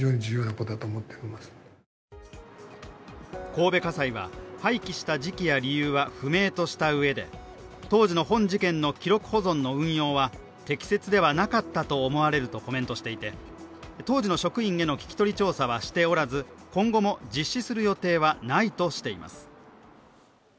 神戸家裁は廃棄した時期や理由は不明としたうえで当時の本事件の記録保存の運用は適切ではなかったと思われるとコメントしていて当時の職員への聞き取り調査はしておらず今後も実施する予定はないとしています。